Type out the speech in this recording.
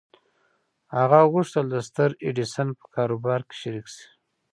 هغه غوښتل د ستر ايډېسن په کاروبار کې شريک شي.